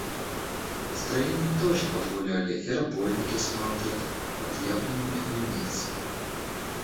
Строения тоже подгуляли, и работники смотрят отъявленными ленивцами.